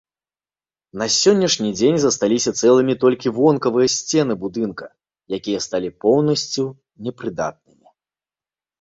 На сённяшні дзень засталіся цэлымі толькі вонкавыя сцены будынка, якія сталі поўнасцю непрыдатнымі.